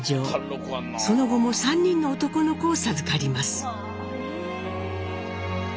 その後も３人の男の子を授かります。